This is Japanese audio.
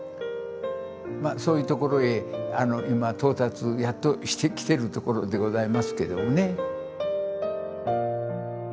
そういうところへ今到達やっとしてきてるところでございますけどもね。